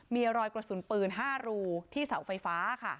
มีรอยกระสุนปืน๕รูที่เสาไฟฟ้าค่ะ